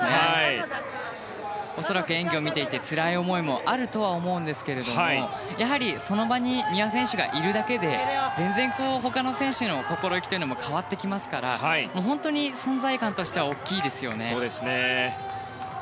恐らく演技を見ていた思いもあるんでしょうけどもやはり、その場に三輪選手がいるだけで全然他の選手の心意気も変わってきますから存在感としては大きいですよね。